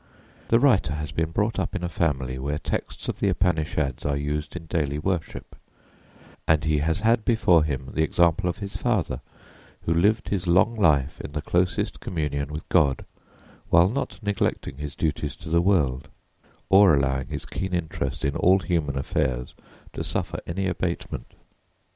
The writer has been brought up in a family where texts of the Upanishads are used in daily worship; and he has had before him the example of his father, who lived his long life in the closest communion with God, while not neglecting his duties to the world, or allowing his keen interest in all human affairs to suffer any abatement.